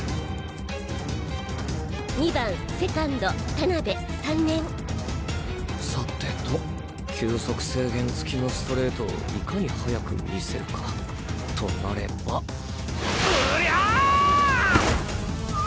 ２番セカンド田辺３年さてと球速制限付きのストレートをいかに速く見せるかとなればうりゃあああ！！